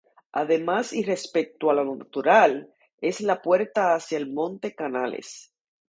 Además y respecto a lo natural, es la puerta hacia el Monte Canales.